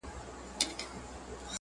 د جاغوري ټولنې جلا دي